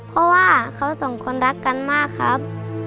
เพราะว่าเขาสองคนรักกันมากครับ